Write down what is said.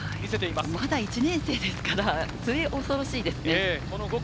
まだ１年生ですから末恐ろしいですね。